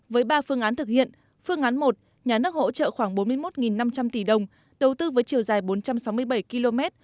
với ba phương án thực hiện phương án một nhà nước hỗ trợ khoảng bốn mươi một năm trăm linh tỷ đồng đầu tư với chiều dài bốn trăm sáu mươi bảy km